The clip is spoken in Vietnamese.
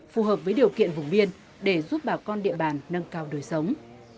phù hợp với điều kiện vùng biên để giúp bà con địa bàn nâng cao đời sống